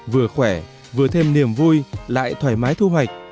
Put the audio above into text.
vừa khỏe vừa thêm niềm vui lại thoải mái thu hoạch